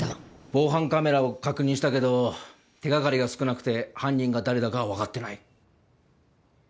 防犯カメラを確認したけど手掛かりが少なくて犯人が誰だかはわかってない。